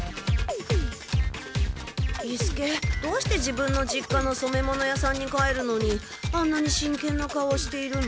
伊助どうして自分の実家のそめ物屋さんに帰るのにあんなに真剣な顔をしているの？